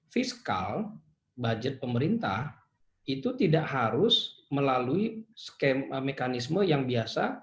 fiskal budget pemerintah itu tidak harus melalui mekanisme yang biasa